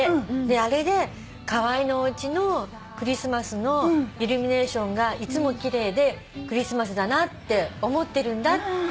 あれで河合のおうちのクリスマスのイルミネーションがいつも奇麗でクリスマスだなって思ってるんだって